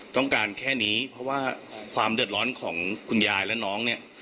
ต้องการแค่นี้เพราะว่าความเดือดร้อนของคุณยายและน้องเนี่ย